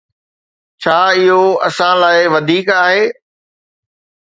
ڇا اهو اسان لاء وڌيڪ آهي؟